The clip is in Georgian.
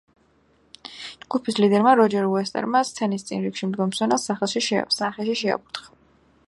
ჯგუფის ლიდერმა, როჯერ უოტერსმა სცენის წინ რიგში მდგომ მსმენელს სახეში შეაფურთხა.